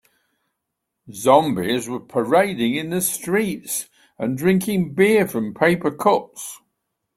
Zombies were parading in the streets and drinking beer from paper cups.